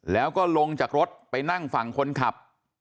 แล้วก็ลงจากรถไปนั่งฝั่งคนขับ